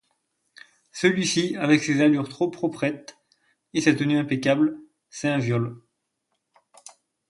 Celui-ci, avec ses allures trop proprettes et sa tenue impeccable, est un viol.